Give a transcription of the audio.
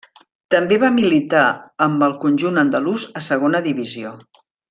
També va militar amb el conjunt andalús a Segona Divisió.